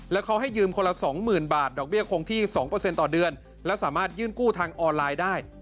แล้วเขาให้ยืมคนละ๒๐๐๐บาทดอกเบี้ยคงที่๒ต่อเดือนและสามารถยื่นกู้ทางออนไลน์ได้